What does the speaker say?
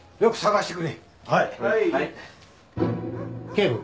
警部。